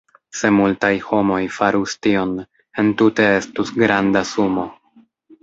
Se multaj homoj farus tion, entute estus granda sumo.